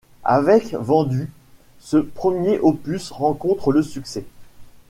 Avec vendus, ce premier opus rencontre le succès.